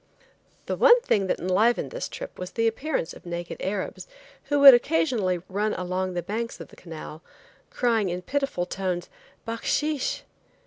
The one thing that enlivened this trip was the appearance of naked Arabs, who would occasionally run along the banks of the canal, crying in pitiful tones, "bahkshish."